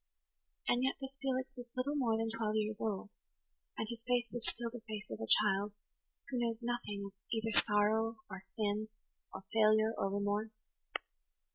And yet this Felix was little more than twelve years old, and his face was still the face of a child who knows nothing of either sorrow or sin or failure or remorse.